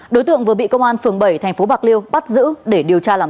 đối tượng vừa bị công an phường bảy tp bạc liêu bắt giữ để điều tra làm rõ